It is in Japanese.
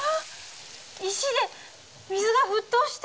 石で水が沸騰した！